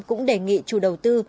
cũng đề nghị chủ đầu tư